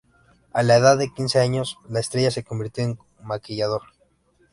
A la edad de quince años, la estrella se convirtió en maquillador.